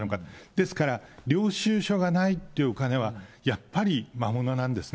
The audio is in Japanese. ですから、領収書がないっていうお金はやっぱり魔物なんですね。